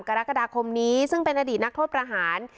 กรกฎาคมนี้ซึ่งเป็นอดีตนักโทษประหาร